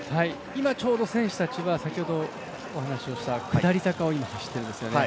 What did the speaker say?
今ちょうど、選手たちは先ほどお話しした下り坂を走っているんですよね。